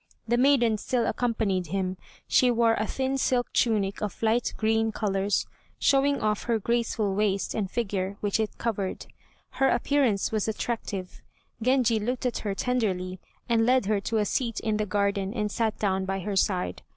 The maiden still accompanied him. She wore a thin silk tunic of light green colors, showing off her graceful waist and figure, which it covered. Her appearance was attractive. Genji looked at her tenderly, and led her to a seat in the garden, and sat down by her side.